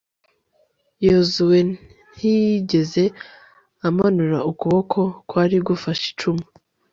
yozuwe ntiyigeze amanura ukuboko kwari gufashe icumu